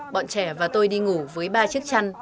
bọn trẻ và tôi đi ngủ với ba chiếc chăn